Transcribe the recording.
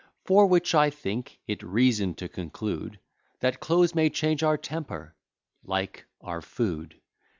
For which I think it reason to conclude, That clothes may change our temper like our food.